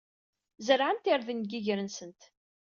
Zerɛent irden deg yiger-nsent.